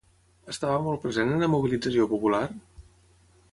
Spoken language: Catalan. Estava molt present en la mobilització popular?